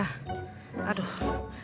oh ya udah deh